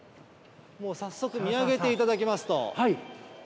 早速見上げていただきますと。